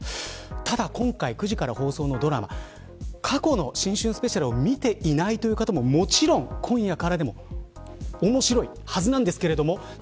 ただ、今回９時から放送のドラマ過去の新春スペシャルを見ていない方ももちろん今夜からでもおもしろいはずなんですが。